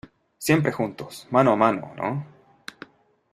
siempre juntos, mano a mano ,¿ no?